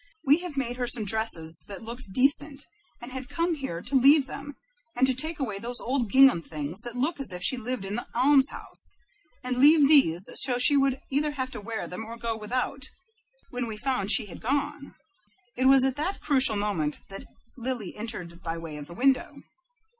We have made her some dresses that look decent, and had come here to leave them, and to take away those old gingham things that look as if she lived in the almshouse, and leave these, so she would either have to wear them or go without, when we found she had gone." It was at that crucial moment that Lily entered by way of the window.